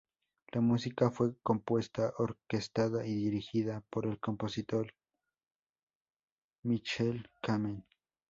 La música fue compuesta, orquestada y dirigida por el compositor Michael Kamen.